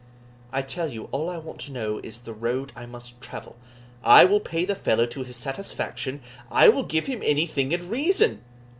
"I tell you, all I want to know is the road I must travel; I will pay the fellow to his satisfaction I will give him anything in reason."